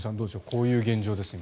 こういう現状です。